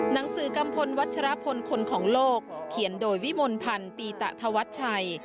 หนังสือกัมพลวัชรพลคนของโลกเขียนโดยวิมลพันธ์ปีตะธวัชชัย